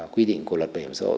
quy định của luật bảo hiểm xã hội